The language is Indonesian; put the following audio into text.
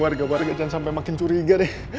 warga warga jangan sampai makin curiga deh